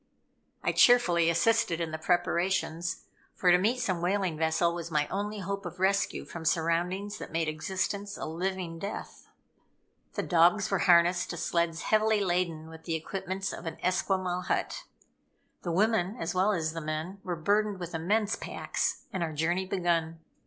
I cheerfully assisted in the preparations, for to meet some whaling vessel was my only hope of rescue from surroundings that made existence a living death. The dogs were harnessed to sleds heavily laden with the equipments of an Esquimaux hut. The woman, as well as the men, were burdened with immense packs; and our journey begun.